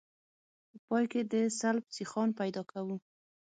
په پای کې د سلب سیخان پیدا کوو